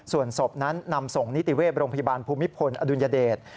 ส่วนศพนั้นนำส่งนิติเวศโรงพยาบาลภูมิพลอดุลยเดช